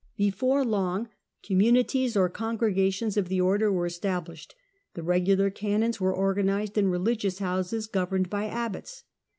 Before long communities or congregations of the Order were established : the Eegular Canons were organized in religious houses governed by abbots.